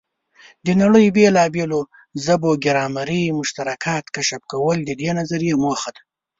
د نړۍ بېلابېلو ژبو ګرامري مشترکات کشف کول د دې نظریې موخه ده.